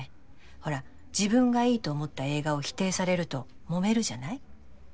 ほら自分がいいと思った映画を否定されると揉めるじゃない？